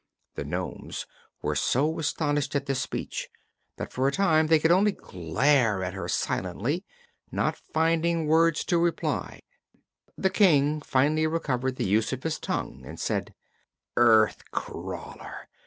The nomes were so much astonished at this speech that for a time they could only glare at her silently, not finding words to reply. The King finally recovered the use of his tongue and said: "Earth crawler!